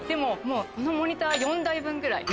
このモニター４台分ぐらい。